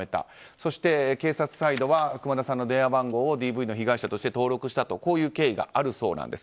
そして警察サイドは熊田さんの電話番号をＤＶの被害者として登録したというこういう経緯があるそうなんです。